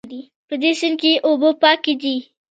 په دې سیند کې اوبه پاکې دي